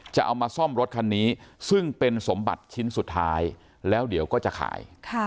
จะเอามาซ่อมรถคันนี้ซึ่งเป็นสมบัติชิ้นสุดท้ายแล้วเดี๋ยวก็จะขาย